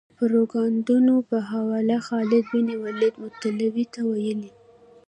د پروپاګندونو په حواله خالد بن ولید متولي ته ویلي.